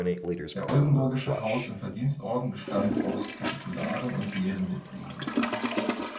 Der Oldenburgische Haus- und Verdienstorden bestand aus „Kapitularen“ und „Ehrenmitgliedern“.